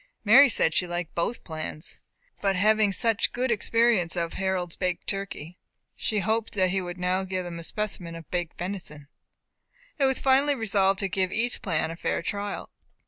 Mary said she liked both plans, but having had such good experience of Harold's baked turkey, she hoped he would now give them a specimen of baked venison. It was finally resolved to give each plan a fair trial.